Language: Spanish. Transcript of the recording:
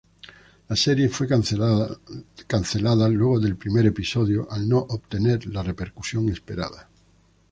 La serie fue cancelada luego del primer episodio, al no obtener la repercusión esperada.